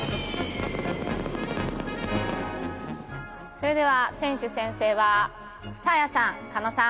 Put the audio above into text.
それでは選手宣誓はサーヤさん加納さん